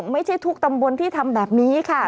ไม่ใช่ทุกตำบลที่ทำแบบนี้ค่ะ